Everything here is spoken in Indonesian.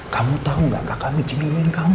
kamu tau gak kakak michi nungguin kamu